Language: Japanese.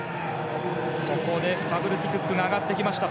ここでスタブルティ・クックが上がってきました。